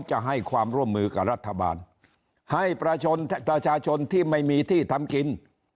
จะให้ความร่วมมือกับรัฐบาลให้ประชาชนประชาชนที่ไม่มีที่ทำกิน